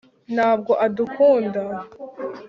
ntabwo adukunda